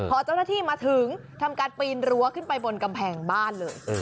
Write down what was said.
พอเจ้าหน้าที่มาถึงทำการปีนรั้วขึ้นไปบนกำแพงบ้านเลย